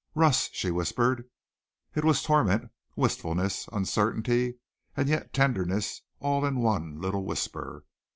"Russ!" she whispered. It was torment, wistfulness, uncertainty, and yet tenderness all in one little whisper.